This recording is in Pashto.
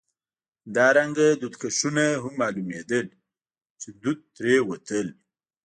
همدارنګه دودکشونه هم معلومېدل، چې دود ترې وتل.